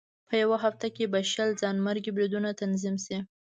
په یوه هفته کې به شل ځانمرګي بریدونه تنظیم شي.